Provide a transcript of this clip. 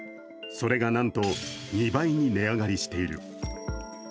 それが、なんと２倍に値上がりしている。